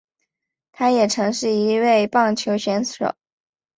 他也曾经是一位棒球选手。